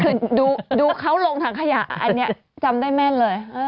คือดูเขาลงถังขยะอันนี้จำได้แม่นเลย